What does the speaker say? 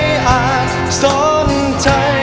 ยังเพราะความสำคัญ